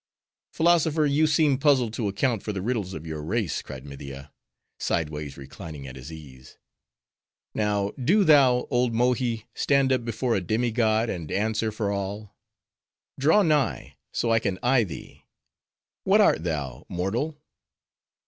"Philosopher you seem puzzled to account for the riddles of your race," cried Media, sideways reclining at his ease. "Now, do thou, old Mohi, stand up before a demi god, and answer for all.—Draw nigh, so I can eye thee. What art thou, mortal?"